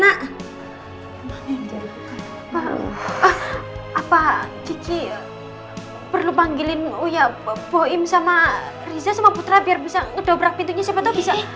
apa ciki perlu panggilin uya boim riza putra biar bisa ngedobrak pintunya siapa tau bisa